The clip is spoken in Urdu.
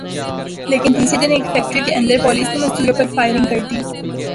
لیکن تیسرے دن ایک فیکٹری کے اندر پولیس نے مزدوروں پر فائرنگ کر دی